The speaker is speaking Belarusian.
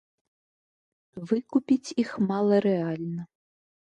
Выкупіць іх мала рэальна.